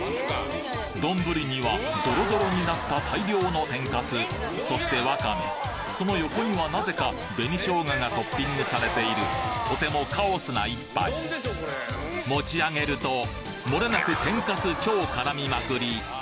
丼にはドロドロになった大量の天かすそしてワカメその横にはなぜか紅生姜がトッピングされているとてもカオスな１杯持ち上げるともれなく天かす超絡みまくり！